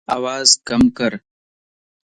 آواز ڪم ڪر